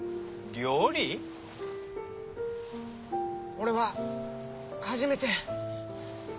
俺は初めて。